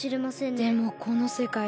でもこのせかい